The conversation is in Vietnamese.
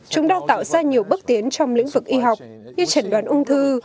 chúng đang tạo ra nhiều bước tiến trong lĩnh vực y học như chẩn đoán ung thư